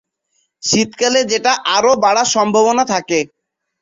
শীতকালে যেটা আরও বাড়ার সম্ভাবনা থাকে।